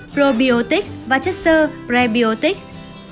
probiotics và chất sơ prebiotics